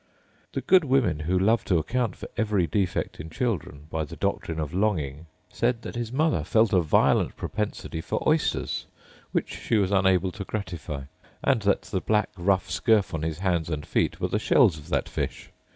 The good women, who love to account for every defect in children by the doctrine of longing, said that his mother felt a violent propensity for oysters, which she was unable to gratify; and that the black rough scurf on his hands and feet were the shells of that fish.